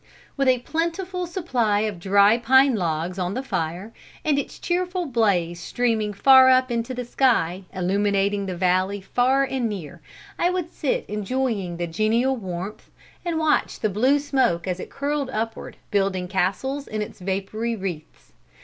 With a plentiful supply of dry pine logs on the fire, and its cheerful blaze streaming far up into the sky, illuminating the valley far and near, I would sit enjoying the genial warmth, and watch the blue smoke as it curled upward, building castles in its vapory wreaths.